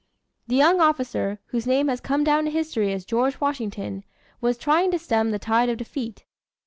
The young officer, whose name has come down to history as George Washington, was trying to stem the tide of defeat.